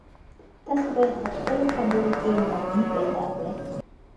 تاسو باید په خپلو خبرو کې نرمي پیدا کړئ.